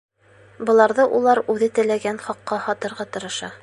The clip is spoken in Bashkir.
Быларҙы улар үҙе теләгән хаҡҡа һатырға тырыша.